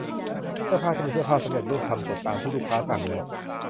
เสื้อผ้าที่เป็นเสื้อผ้าสำเร็จรูปทำเสร็จตามที่ลูกค้าสั่งแล้ว